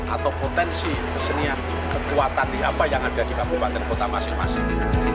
atau potensi kesenian kekuatan di apa yang ada di kabupaten kota masing masing